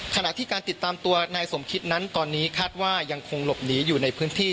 ขณะที่การติดตามตัวนายสมคิดนั้นตอนนี้คาดว่ายังคงหลบหนีอยู่ในพื้นที่